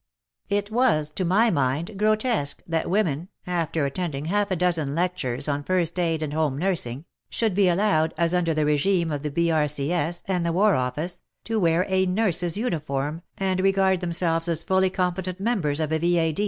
It was, to my mind, grotesque that women, after attending half a dozen lectures on first aid and home nursing, should be allowed, as under the regime 14 WAR AND WOMEN of the B.R.C.S. and the War Office, to wear a nurse's uniform and regard themselves as fully competent members of a V.A.